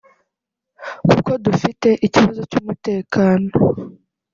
kuko dufite ikibazo cy’umutekano